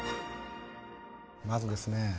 まずですね